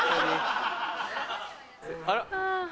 あら？